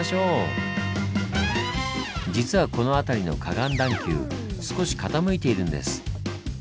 実はこの辺りの河岸段丘少し傾いているんです。